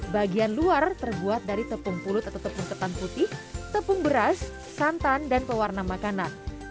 bagian luar terbuat dari tepung purut atau tepung ketan putih tepung beras santan dan pewarna makanan